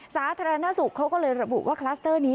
สาธารณสุขเขาก็เลยระบุว่าคลัสเตอร์นี้